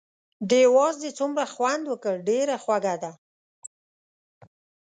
دې وازدې څومره خوند وکړ، ډېره خوږه ده.